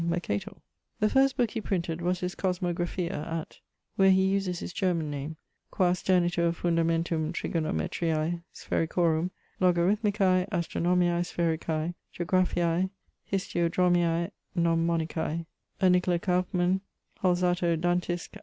e. Mercator. The first booke he printed was his Cosmographia, at ..., where he uses his German name, 'qua sternitur fundamentum Trigonometriae sphericorum, Logarithmicae, Astronomiae sphaericae, Geographiae, Histiodromiae gnomonicae; a Nicola Kauffman, Holsato Dantisc.